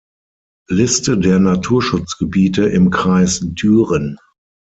Liste der Naturschutzgebiete im Kreis Düren